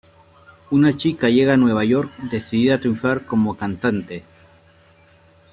Una chica llega a Nueva York decidida a triunfar como cantante.